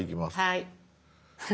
はい。